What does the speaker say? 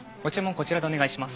こちらでお願いします。